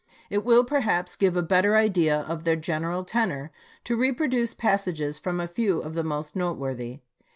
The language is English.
It will, perhaps, give a better idea of their general tenor to reproduce passages from a few of the most noteworthy.